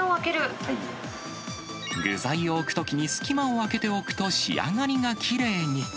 具材を置くときに、隙間を空けておくと、仕上がりがきれいに。